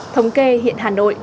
thống kê hiện hà nội